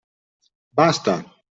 Basta!